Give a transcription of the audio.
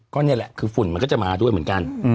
ก็นี่แหละคือฝุ่นมันก็จะมาด้วยเหมือนกัน